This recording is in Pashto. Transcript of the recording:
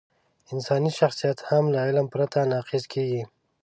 انساني شخصیت هم له علم پرته ناقص کېږي.